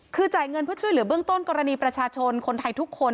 คือจ่ายเงินเพื่อช่วยเหลือเบื้องต้นกรณีประชาชนคนไทยทุกคน